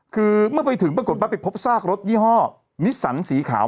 คือเมื่อไปถึงปรากฏว่าไปพบซากรถยี่ห้อนิสสันสีขาว